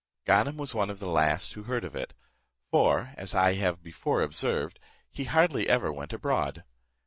Ganem was one of the last who heard of it; for, as I have before observed, he hardly ever went abroad.